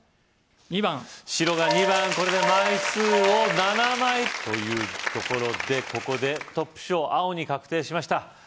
２番白が２番これで枚数を７枚というところでここでトップ賞青に確定しました